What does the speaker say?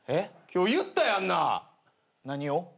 今日言ったやんな。何を？